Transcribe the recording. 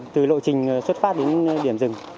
từ lộ trình xuất phát đến điểm